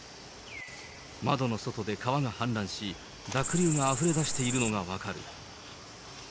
窓の外で川が氾濫し、濁流があふれ出しているのが分かる。